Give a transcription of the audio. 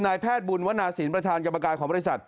นายแพทย์บุญวนาศีลประธานกรรมการของบริษัท